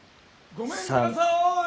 ・ごめんください！